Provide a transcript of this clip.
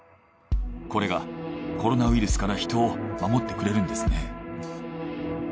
これがコロナウイルスから人を守ってくれるんですね。